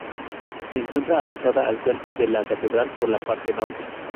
Se encuentra adosada al cuerpo de la catedral por la parte norte.